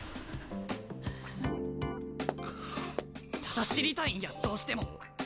ただ知りたいんやどうしても。